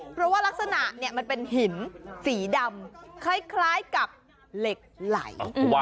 เพราะว่ารักษณะมันเป็นหินสีดำคล้ายกับเหล็กไหล